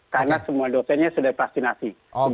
karena semua dosennya sudah divaksinasi